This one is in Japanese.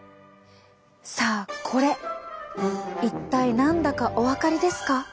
さあこれ一体何だかお分かりですか？